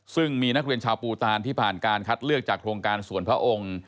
ซึ่งมีนักเรียนชาวปูตานที่ผ่านการคัดเลือกจากโครงการส่วนพระองค์